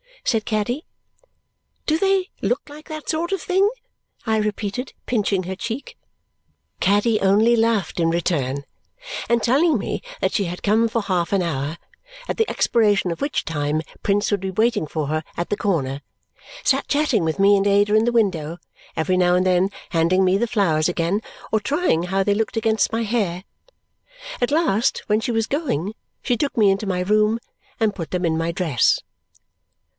said Caddy. "Do they look like that sort of thing?" I repeated, pinching her cheek. Caddy only laughed in return, and telling me that she had come for half an hour, at the expiration of which time Prince would be waiting for her at the corner, sat chatting with me and Ada in the window, every now and then handing me the flowers again or trying how they looked against my hair. At last, when she was going, she took me into my room and put them in my dress.